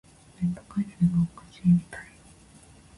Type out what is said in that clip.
ネット回線がおかしいみたい。